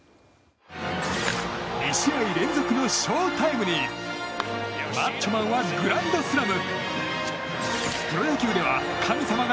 ２試合連続のショウタイムにマッチョマンはグランドスラム！